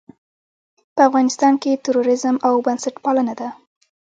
که په افغانستان کې تروريزم او بنسټپالنه ده.